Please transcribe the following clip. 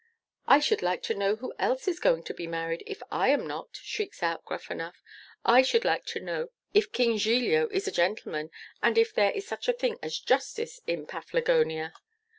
'I should like to know who else is going to be married, if I am not?' shrieks out Gruffanuff. 'I should like to know if King Giglio is a gentleman, and if there is such a thing as justice in Paflagonia?